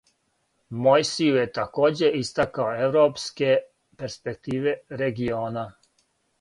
Мојсију је такође истакао европске перспективе региона.